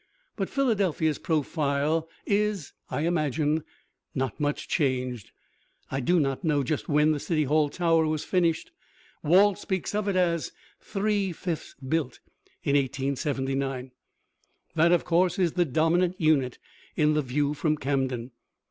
But Philadelphia's profile is (I imagine) not much changed. I do not know just when the City Hall tower was finished: Walt speaks of it as "three fifths built" in 1879. That, of course, is the dominant unit in the view from Camden.